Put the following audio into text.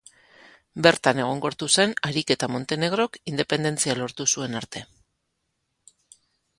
Bertan egonkortu zen harik eta Montenegrok independentzia lortu zuen arte.